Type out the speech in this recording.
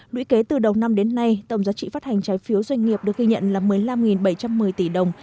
lũy kế từ đầu năm đến nay tổng giá trị phát hành trái phiếu doanh nghiệp được ghi nhận là một mươi năm bảy trăm một mươi tỷ đồng